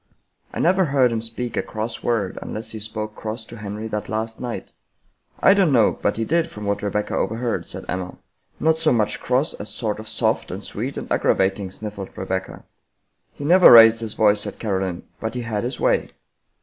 " I never heard him speak a cross word, unless he spoke cross to Henry that last night. I don't know, but he did from what Rebecca overheard," said Emma. " Not so much cross as sort of soft, and sweet, and aggra vating," snififled Rebecca. 51 American Mystery Stories " He never raised his voice," said Caroline; " but he had his way."